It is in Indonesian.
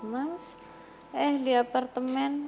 mas eh di apartemen